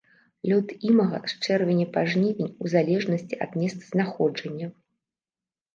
Лёт імага з чэрвеня па жнівень у залежнасці ад месцазнаходжання.